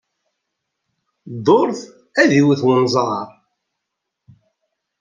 Dduṛt ay iwet wenẓar.